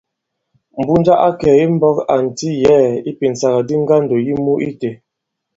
Mbunja a kɛ̀ imbɔ̄k ànti yě ipìnsàgàdi ŋgandò yi mû itē.